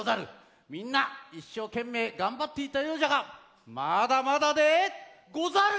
みんないっしょうけんめいがんばっていたようじゃがまだまだでござる！